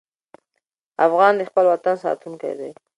افغان د خپل وطن ساتونکی دی.